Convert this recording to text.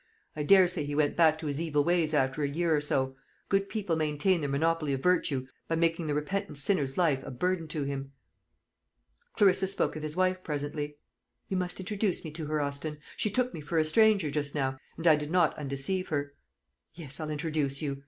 I daresay he went back to his evil ways after a year or so. Good people maintain their monopoly of virtue by making the repentant sinner's life a burden to him." Clarissa spoke of his wife presently. "You must introduce me to her, Austin. She took me for a stranger just now, and I did not undeceive her." "Yes I'll introduce you.